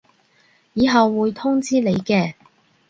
以後會通知你嘅